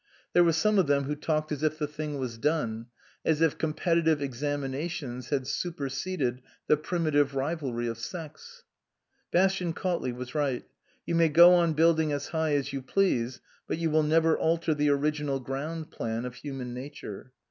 There were some of them who talked as if the thing was done ; as if competi tive examinations had superseded the primitive rivalry of sex. Bastian Cautley was right. You may go on building as high as you please, but you will never alter the original ground plan of human nature.